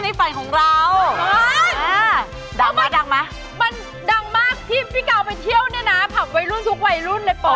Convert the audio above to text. ไม่ก็คือคำนวณคีย์อยู่ว่ามันถูกหรือเปล่า